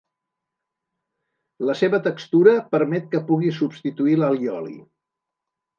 La seva textura permet que pugui substituir l'allioli.